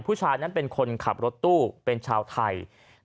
ผู้ชายนั้นเป็นคนขับรถตู้เป็นชาวไทย